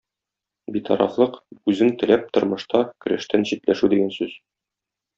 Битарафлык – үзең теләп тормышта көрәштән читләшү дигән сүз.